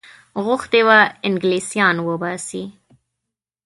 غوښتي وه انګلیسیان وباسي.